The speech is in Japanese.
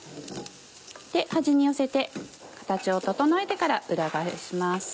で端に寄せて形を整えてから裏返します。